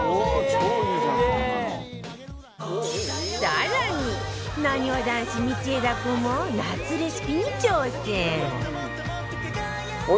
更になにわ男子道枝君も夏レシピに挑戦